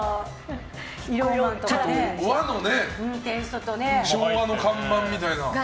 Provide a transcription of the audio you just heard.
和のね昭和の看板みたいな。